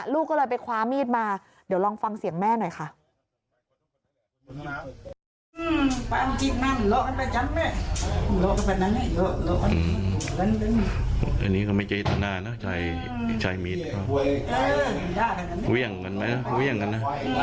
ลูกก็เลยไปคว้ามีดมาเดี๋ยวลองฟังเสียงแม่หน่อยค่ะ